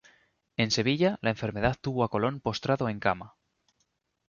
En Sevilla, la enfermedad tuvo a Colón postrado en cama.